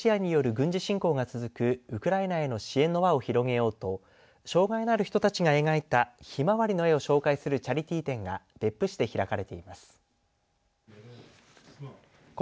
ロシアによる軍事侵攻が続くウクライナへの支援の輪を広げようと障害のある人たちが描いたひまわりの絵を紹介するチャリティー展が別府市で開かれています。